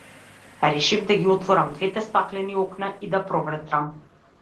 Решив да ги отворам двете стаклени окна и да проветрам.